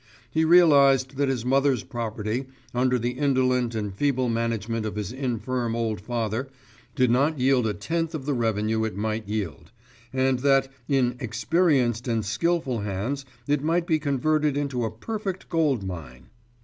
He realised that his mother's property, under the indolent and feeble management of his infirm old father, did not yield a tenth of the revenue it might yield, and that in experienced and skilful hands it might be converted into a perfect gold mine.